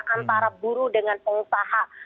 antara buruh dengan pengupahan